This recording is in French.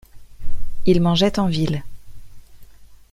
Il mangeait en ville.